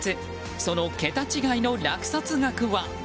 その桁違いの落札額は？